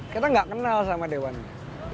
kita nggak kenal sama dewannya